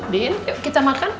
din yuk kita makan